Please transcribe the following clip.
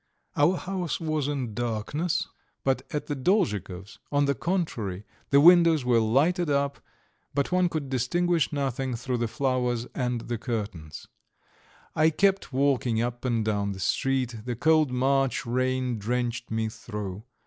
Our house was in darkness, but at the Dolzhikovs', on the contrary, the windows were lighted up, but one could distinguish nothing through the flowers and the curtains. I kept walking up and down the street; the cold March rain drenched me through.